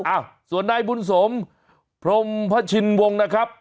อ้าวส่วนใดบุญสมพรหมพระชินวงนะครับ